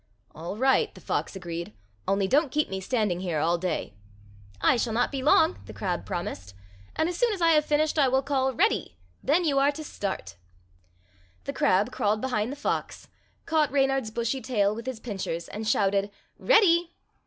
"All right," the fox agreed; "only don't keep me standing here all day." "I shall not be long," the crab promised; "and as soon as I have finished I will call, 'Ready!' Then you are to start." The crab crawled behind the fox, caught Reynard's bushy tail with his pincers and shouted, "Ready!"